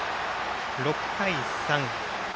６対３。